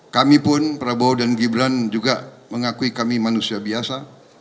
kami pun prabowo dan gibran juga mengakui kami manusia biasa